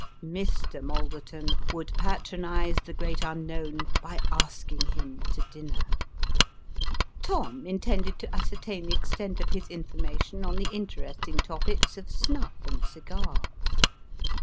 Mr. Malderton would patronise the great unknown by asking him to dinner. Tom intended to ascer tain the extent of his information on the interesting topics of snuff and cigars.